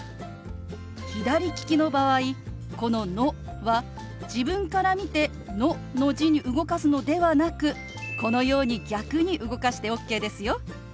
左利きの場合この「ノ」は自分から見て「ノ」の字に動かすのではなくこのように逆に動かしてＯＫですよ。